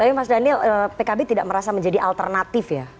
tapi mas daniel pkb tidak merasa menjadi alternatif ya